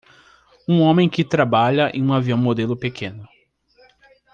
Um homem que trabalha em um avião modelo pequeno.